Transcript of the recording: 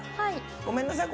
ごめんなさい。